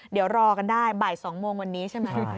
เดี๋ยวรอกันได้บ่าย๒โมงวันนี้ใช่ไหม